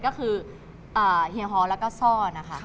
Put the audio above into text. ก็คือเฮียฮเช้า